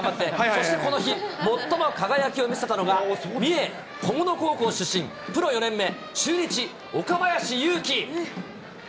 そしてこの日、最も輝きを見せたのが、三重・こもの高校出身、プロ４年目、中日、岡林勇希。